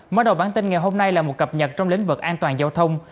mở đầu bản tin ngày hôm nay là một cập nhật trong lĩnh vực an toàn giao thông